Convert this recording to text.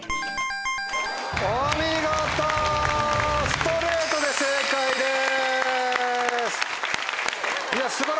ストレートで正解です。